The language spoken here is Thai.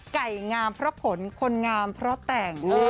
ไก่งามเพราะผลคนงามเพราะแต่ง